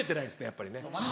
やっぱりね。